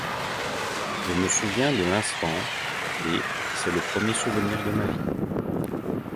Je me souviens de l'instant, et c'est le premier souvenir de ma vie.